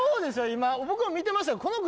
今僕も見てましたよ